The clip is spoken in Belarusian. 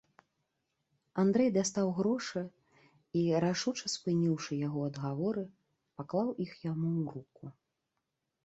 Андрэй дастаў грошы і, рашуча спыніўшы яго адгаворы, паклаў іх яму ў руку.